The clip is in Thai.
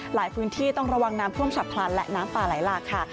หลายพื้นที่ต้องระวังน้ำท่วมฉับพลันและน้ำป่าไหลหลากค่ะ